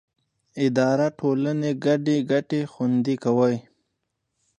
اداره د ټولنې ګډې ګټې خوندي کوي.